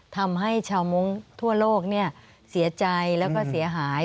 ทำให้ชาวมงค์ทั่วโลกเสียใจแล้วก็เสียหาย